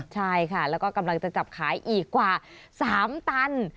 ใช่ค่ะแล้วก็กำลังจะจับขายอีกกว่า๓ตัน